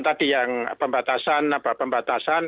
tadi yang pembatasan